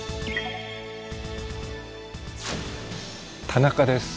田中です。